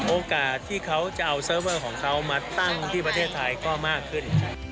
โอกาสที่เขาจะเอาเซิร์ฟเวอร์ของเขามาตั้งที่ประเทศไทยก็มากขึ้น